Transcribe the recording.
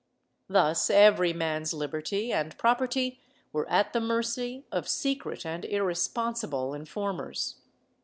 Thus every man's liberty and property were at the mercy of secret and irresponsible informers.